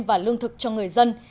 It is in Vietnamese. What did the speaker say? và lương thực cho người dân